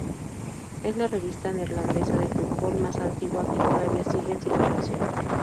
Es la revista neerlandesa de fútbol más antigua que todavía sigue en circulación.